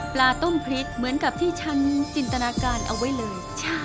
ปลาต้มพริกเหมือนกับที่ฉันจินตนาการเอาไว้เลย